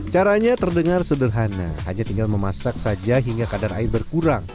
caranya terdengar sederhana hanya tinggal memasak saja hingga kadar air berkurang